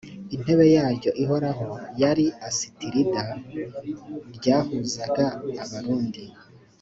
intebe yaryo ihoraho yari asitirida ryahuzaga abarundi